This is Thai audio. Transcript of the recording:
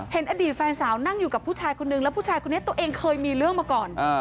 อดีตแฟนสาวนั่งอยู่กับผู้ชายคนนึงแล้วผู้ชายคนนี้ตัวเองเคยมีเรื่องมาก่อน